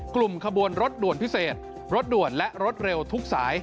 กลุ่มขบวนรถด่วนพิเศษรถด่วนและรถเร็วทุกสาย